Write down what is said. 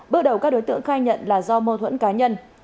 bước đầu các đối tượng khai nhận là do mâu thuẫn cá nhân